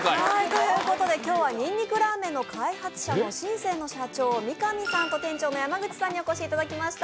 ということで今日はにんにくラーメンの開発者の新世の社長の三神さんと店長の山口さんにお越しいただきました。